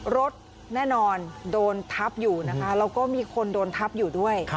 รถแน่นอนโดนทับอยู่นะคะแล้วก็มีคนโดนทับอยู่ด้วย